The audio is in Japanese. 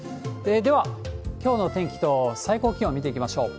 では、きょうの天気と最高気温見ていきましょう。